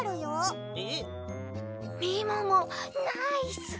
みももナイス！